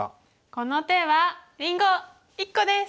この手はりんご１個です！